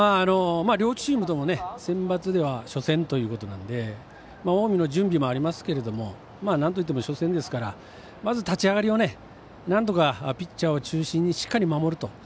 両チームともセンバツでは初戦ということで近江の準備もありますけどなんといっても初戦ですからまず立ち上がりをなんとかピッチャー中心にしっかり守ると。